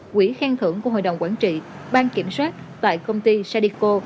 quỹ khen thưởng của hội đồng quản trị ban kiểm soát tại công ty sadico